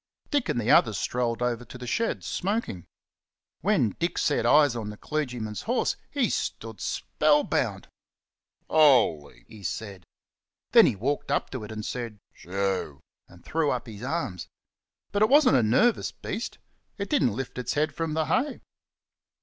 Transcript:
Dick and the others strolled over to the shed, smoking. When Dick set eyes on the clergyman's horse he stood spell bound! "Holy!" he said. Then he walked up to it and said "Shoo!" and threw up his arms. But it wasn't a nervous beast; it didn't lift its head from the hay.